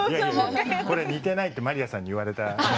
これ似てないってまりやさんに言われた。